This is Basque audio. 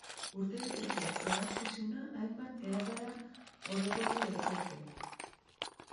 Urtebetetze ebazkizuna hainbat eratara orokortu daiteke.